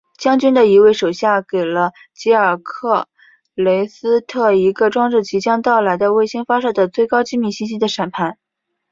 将军的一位手下给了吉尔克雷斯特一个装着即将到来的卫星发射的最高机密信息的闪盘。